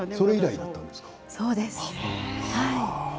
そうです。